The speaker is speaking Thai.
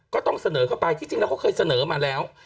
ก็ต้องเสนอเข้าไปที่จริงเราก็เคยเสนอมาแล้ว